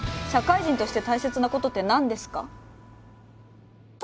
社会人として大切なことって何ですか？